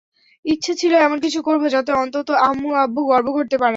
ইচ্ছা ছিল এমন কিছু করব, যাতে অন্তত আম্মু–আব্বু গর্ব করতে পারেন।